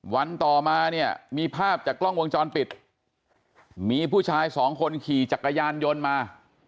วันต่อมาเนี่ยมีภาพจากกล้องวงจรปิดมีผู้ชายสองคนขี่จักรยานยนต์มา